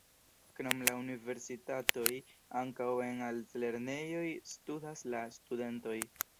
Krom la universitatoj ankaŭ en altlernejoj studas la studentoj.